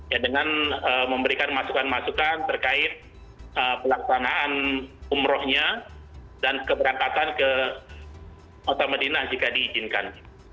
ya dengan memberikan masukan masukan terkait pelaksanaan umrohnya dan keberangkatan ke kota medinah jika diizinkan